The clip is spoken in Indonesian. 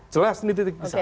jelas ini titik pisah